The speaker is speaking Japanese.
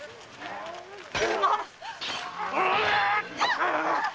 あっ！